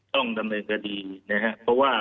ต้องทำการดีนะฮะเพราะว่า